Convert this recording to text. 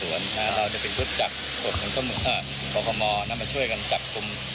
เราจะเป็นกรุธจากทศพลังสมือประคมนมนำมาช่วยกันจัดพุม